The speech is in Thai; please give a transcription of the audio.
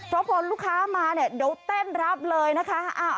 เพราะพอลูกค้ามาเนี่ยเดี๋ยวเต้นรับเลยนะคะ